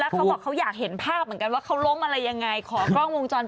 แต่เขาก็ลุกเดินต่อไปได้ทำคนเขาแข็งแกร่งจริง